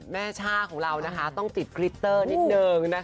แม่ชาของเราต้องจิดกริตเตอร์นิดนึง